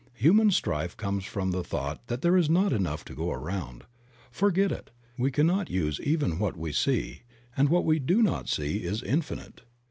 Human strife comes from the thought that there is not enough to go around. Forget it; we cannot use even what we see, and what we do not see is infinite.